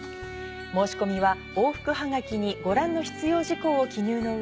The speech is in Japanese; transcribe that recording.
申し込みは往復ハガキにご覧の必要事項を記入の上